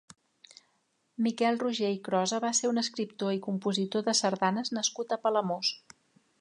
Miquel Roger i Crosa va ser un escriptor i compositor de sardanes nascut a Palamós.